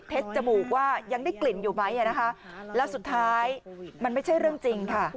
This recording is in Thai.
จมูกว่ายังได้กลิ่นอยู่ไหมนะคะแล้วสุดท้ายมันไม่ใช่เรื่องจริงค่ะ